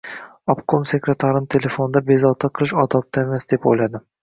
Obkom sekretarini telefonda bezovta qilish odobdan emas, deb o‘yladim.